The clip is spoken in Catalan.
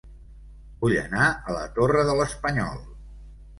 Vull anar a La Torre de l'Espanyol